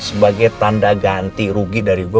sebagai tanda ganti rugi dari